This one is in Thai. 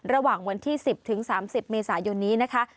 ระหว่างวันที่๑๐๓๐เมษายนนี้นะคะ